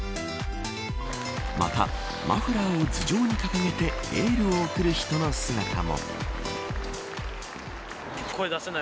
また、マフラーを頭上に掲げてエールを送る人の姿も。